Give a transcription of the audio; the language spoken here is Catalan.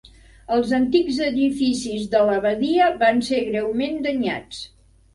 Els antics edificis de l'abadia van ser greument danyats.